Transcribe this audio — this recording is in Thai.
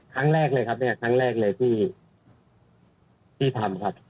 ครั้งแรกเลยครับเนี่ยครั้งแรกเลยที่ทำครับ